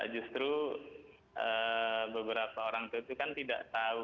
justru beberapa orang tua itu kan tidak tahu